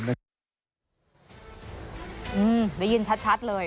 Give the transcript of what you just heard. ได้ยินชัดเลย